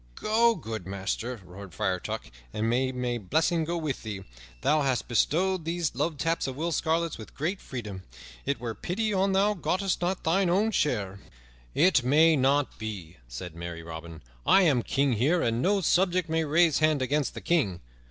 "Go, good master," roared Friar Tuck, "and may my blessing go with thee. Thou hast bestowed these love taps of Will Scarlet's with great freedom. It were pity an thou gottest not thine own share." "It may not be," said merry Robin. "I am king here, and no subject may raise hand against the king.